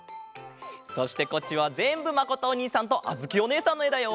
そしてこっちはぜんぶまことおにいさんとあづきおねえさんのえだよ。